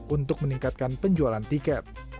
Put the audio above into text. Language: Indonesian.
untuk meningkatkan penjualan tiket